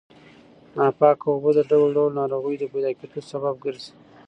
ناپاکه اوبه د ډول ډول ناروغیو د پیدا کېدو سبب ګرځي.